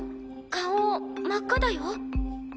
顔真っ赤だよ。